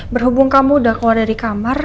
berhubung kamu udah keluar dari kamar